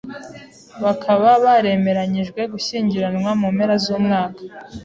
bakaba baremeranyijwe gushyingiranwa mu mpera z’umwaka